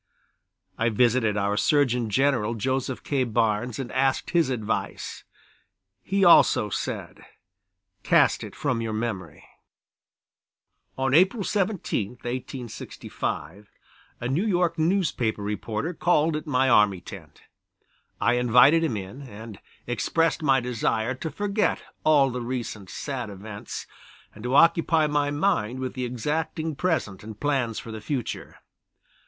I visited our Surgeon General, Joseph K. Barnes, and asked his advice; he also said: "Cast it from your memory." On April 17, 1865, a New York newspaper reporter called at my army tent. I invited him in, and expressed my desire to forget all the recent sad events, and to occupy my mind with the exacting present and plans for the future.